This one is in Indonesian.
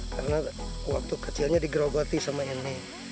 karena waktu kecilnya digerogoti sama ini